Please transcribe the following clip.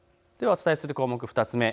お伝えする項目、２つ目。